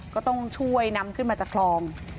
ก็ต้องช่วยนำขึ้นมาจากคลอง